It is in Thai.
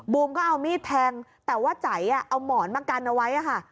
มก็เอามีดแทงแต่ว่าใจเอาหมอนมากันเอาไว้ค่ะ